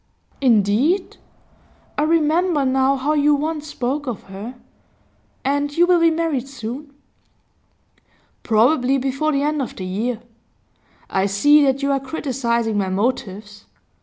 'Indeed? I remember now how you once spoke of her. And you will be married soon?' 'Probably before the end of the year. I see that you are criticising my motives.